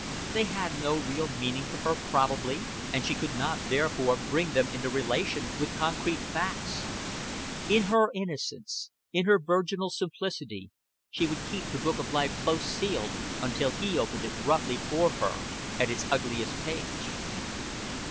They had no real meaning for her probably, and she could not therefore bring them into relation with concrete facts. In her innocence, in her virginal simplicity, she would keep the book of life close sealed until he opened it roughly for her at its ugliest page.